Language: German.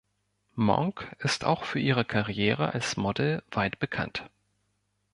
Monk ist auch für ihre Karriere als Model weit bekannt.